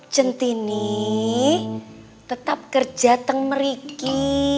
cinti ini tetap kerja di sini